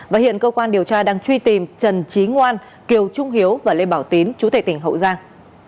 và hiện cơ quan điều tra đang truy tìm trần trí ngoan kiều trung hiếu và lê bảo tín chú tệ tỉnh hậu giang